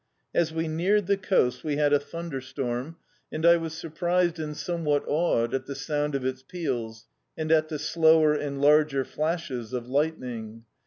As we neared the coast we had a thtmderstorm, and D„i.,.db,Googlc Manhood I was surprised and somewhat awed at the sound of its peals, and at the slower and larger flashes of U^tning.